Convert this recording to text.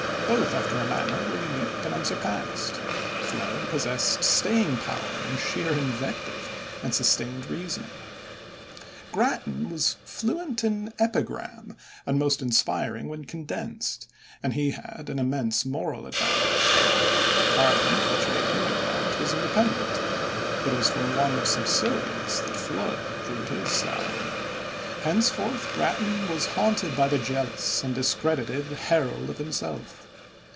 Both after a manner were unique and unsurpassed. Flood possessed staying power in sheer invective and sustained reasoning. Grattan was fluent in epigram and most inspiring when condensed, and he had an immense moral advantage. The parliament which made him a grant was independent, but it was from one of subservience that Flood drew his salary. Henceforth Grattan was haunted by the jealous and discredited herald of himself.